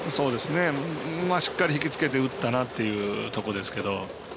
しっかり引き付けて打ったなというところですけど。